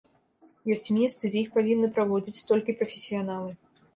Ёсць месцы, дзе іх павінны праводзіць толькі прафесіяналы.